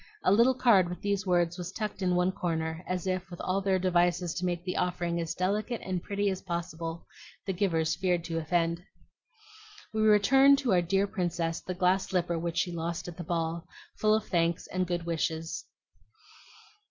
A little card with these words was tucked in one corner, as if, with all their devices to make the offering as delicate and pretty as possible, the givers feared to offend: "We return to our dear Princess the glass slipper which she lost at the ball, full of thanks and good wishes."